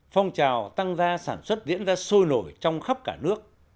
phong trào tăng gia sản xuất diễn ra sôi nổi trong khắp cả nước